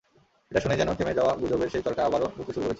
এটা শুনেই যেন থেমে যাওয়া গুজবের সেই চরকা আবারও ঘুরতে শুরু করেছে।